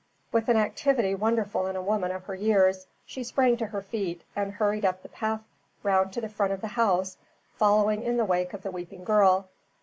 With an activity wonderful in a woman of her years she sprang to her feet, and hurried up the path round to the front of the house, following in the wake of the weeping girl.